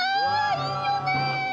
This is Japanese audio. いいよねー！